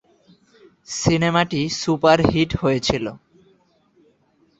সিনেমাটি সুপারহিট হয়েছিল।